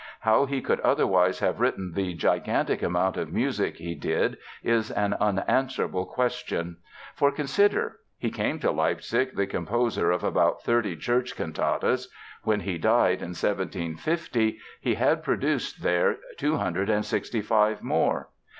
How he could otherwise have written the gigantic amount of music he did is an unanswerable question. For consider: he came to Leipzig the composer of about thirty church cantatas. When he died in 1750 he had produced there 265 more.